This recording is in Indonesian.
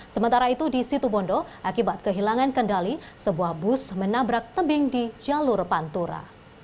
sementara itu di situ bondo akibat kehilangan kendali sebuah bus menabrak tebing di jalur pantura